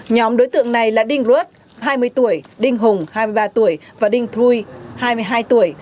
nhóm đối tượng này là đinh ruất hai mươi tuổi đinh hùng hai mươi ba tuổi và đinh thui hai mươi hai tuổi